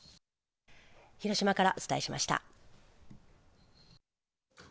広島からお伝えしました。